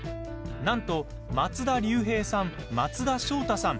なんと松田龍平さん、松田翔太さん